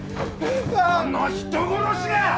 この人殺しが！